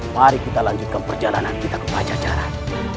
mari kita lanjutkan perjalanan kita ke pajajaran